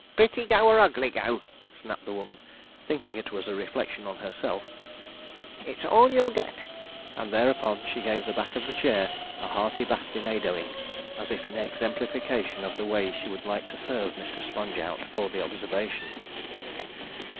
'Pretty go or ugly go,' snapped the woman, thinking it was a reflection on herself, 'it's all you'll get'; and thereupon she gave the back of the chair a hearty bastinadoing as if in exemplification of the way she would like to serve Mr. Sponge out for the observation.